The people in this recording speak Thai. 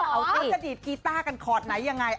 เออเอาติดกีต้ากันคอร์ดไหนยังไง